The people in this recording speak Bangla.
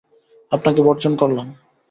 আপনাকে বর্জন করলাম।